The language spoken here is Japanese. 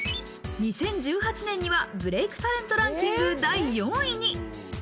２０１８年にはブレイクタレントランキング第４位に。